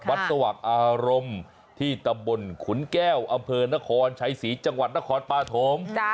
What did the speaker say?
สว่างอารมณ์ที่ตำบลขุนแก้วอำเภอนครชัยศรีจังหวัดนครปฐม